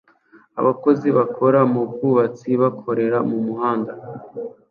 Abakozi bakora mu bwubatsi bakorera mu muhanda